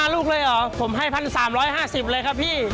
ลูกเลยเหรอผมให้๑๓๕๐เลยครับพี่